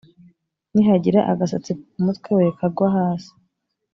nihagira agasatsi ko ku mutwe we kagwa hasi